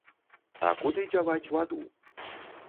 А куды дзяваць ваду?